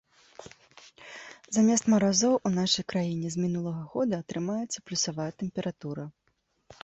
Замест маразоў у нашай краіне з мінулага года трымаецца плюсавая тэмпература.